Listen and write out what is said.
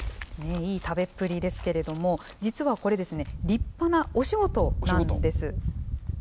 いい食べっぷりですけれども、実はこれ、立派なお仕事なんです。